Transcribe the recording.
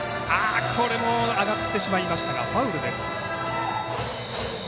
上がってしまいましたがファウルです。